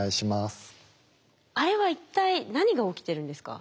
あれは一体何が起きてるんですか？